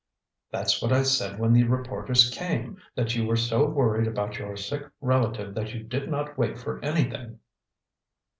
"That's what I said when the reporters came that you were so worried over your sick relative that you did not wait for anything."